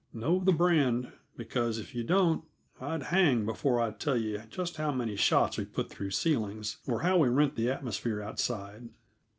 Know the brand because if you don't, I'd hang before I'd tell just how many shots we put through ceilings, or how we rent the atmosphere outside.